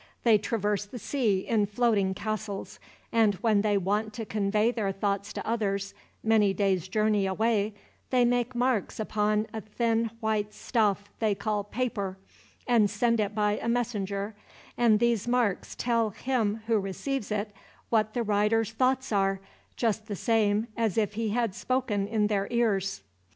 They traverse the sea in floating castles; and when they want to convey their thought to others, many days' journey away, they make marks upon a thin white stuff they call paper, and send it by a messenger, and these marks tell him who receives it what the writer's thoughts are, just the same as if he had spoken in their ears."